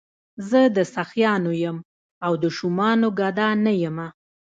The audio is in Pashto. زه د سخیانو یم او د شومانو ګدا نه یمه.